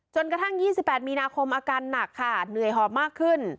จนกระทั่ง๒๘มีนาคมอาการหนักค่ะเหนื่อยหอบมากขึ้น